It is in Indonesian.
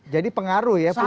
jadi pengaruh ya